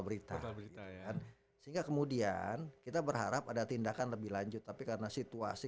berita berita kan sehingga kemudian kita berharap ada tindakan lebih lanjut tapi karena situasi